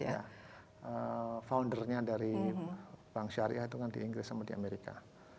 ya foundernya dari bank syariah itu kan di inggris sama di amerika